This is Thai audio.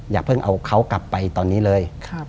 อย่าเพิ่งเอาเขากลับไปตอนนี้เลย